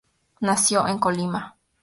Nació en Colima.